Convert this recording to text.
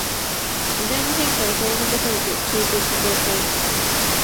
時代の変化に取り残されて消えていく業界